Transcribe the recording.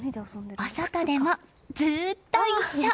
お外でも、ずっと一緒！